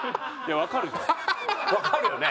わかるよね？